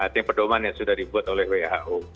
artinya pedoman yang sudah dibuat oleh who